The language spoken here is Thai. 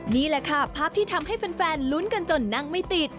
นี่แหละค่ะภาพที่ทำให้แฟนลุ้นกันจนนั่งไม่ติด